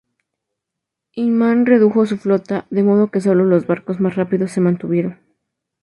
Inman redujo su flota, de modo que sólo los barcos más rápidos se mantuvieron.